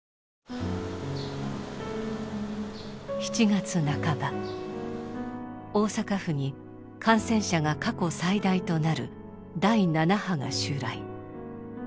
７月半ば大阪府に感染者が過去最大となる第７波が襲来。